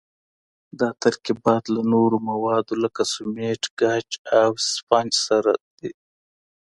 دا ترکیبات له نورو موادو لکه سمنټ، ګچ او اسفنج سره دي.